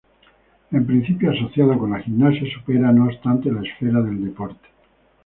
En principio asociado con la gimnasia, supera no obstante la esfera del deporte.